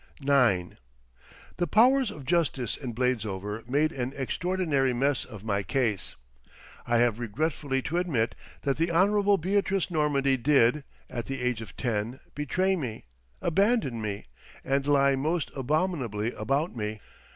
IX The powers of justice in Bladesover made an extraordinary mess of my case. I have regretfully to admit that the Honourable Beatrice Normandy did, at the age of ten, betray me, abandon me, and lie most abominably about me.